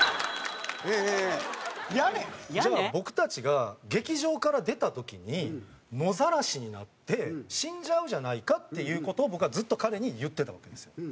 じゃあ僕たちが劇場から出た時に野ざらしになって死んじゃうじゃないかっていう事を僕はずっと彼に言ってたわけですよ。